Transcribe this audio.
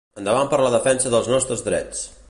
Endavant per la defensa dels nostres drets!